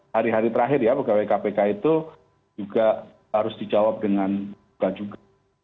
hari hari terakhir ya pegawai kpk itu juga harus dijawab dengan juga